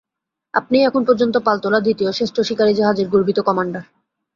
আপনিই এখন পর্যন্ত পালতোলা দ্বিতীয় শ্রেষ্ঠ শিকারী জাহাজের গর্বিত কমান্ডার।